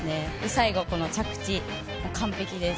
最後着地、完璧です。